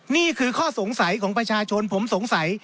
นี่คือข้อสงสัยของประชาชนผมสงสัย